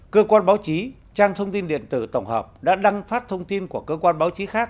cơ quan báo chí trang thông tin điện tử tổng hợp đã đăng phát thông tin của cơ quan báo chí khác